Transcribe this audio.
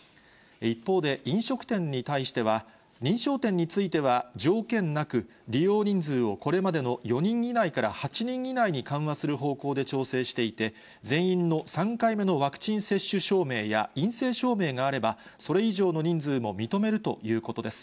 一方で、飲食店に対しては、認証店については条件なく利用人数をこれまでの４人以内から８人以内に緩和する方向で調整していて、全員の３回目のワクチン接種証明や陰性証明があれば、それ以上の人数も認めるということです。